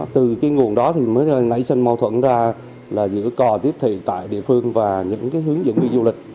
từ cái nguồn đó thì mới nảy sinh mâu thuẫn ra là giữa cò tiếp thị tại địa phương và những hướng dẫn đi du lịch